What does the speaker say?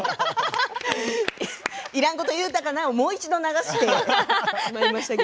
いらんこと言ったかなをもう一度流してしまいました。